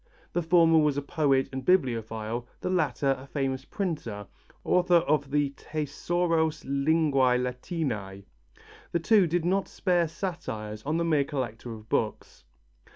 The former was a poet and bibliophile, the latter a famous printer, author of the Thesauros linguæ latinæ. The two did not spare satires on the mere collector of books.